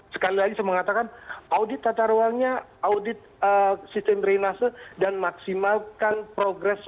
sekali lagi saya mengatakan audit tata ruangnya audit sistem drenase dan maksimalkan progres